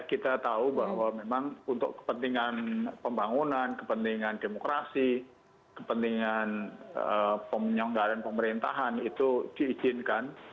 kita tahu bahwa memang untuk kepentingan pembangunan kepentingan demokrasi kepentingan pemenyonggaran pemerintahan itu diizinkan